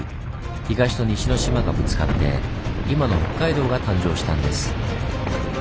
東と西の島がぶつかって今の北海道が誕生したんです。